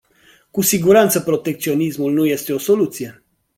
Cu siguranță protecționismul nu este o soluție.